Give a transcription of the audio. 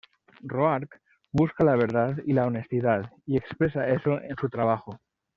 Roark busca la verdad y la honestidad y expresa eso en su trabajo.